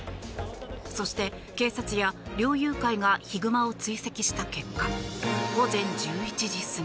そして警察や猟友会がヒグマを追跡した結果午前１１時過ぎ。